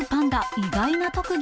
意外な特技。